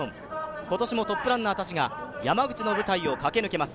今年もトップランナーたちが山口の舞台を駆け抜けます。